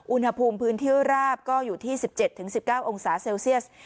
อุณหภูมิพื้นที่ราบก็อยู่ที่๑๗๑๙องศาเซลเซียส